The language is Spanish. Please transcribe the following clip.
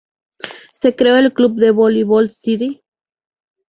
Se creó el Club Voleibol Cide.